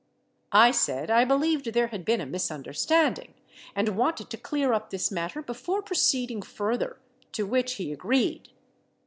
I said I believed there had been a misunderstanding, and wanted to clear up this matter before proceeding further, to which he agreed.